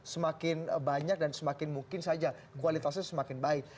semakin banyak dan semakin mungkin saja kualitasnya semakin baik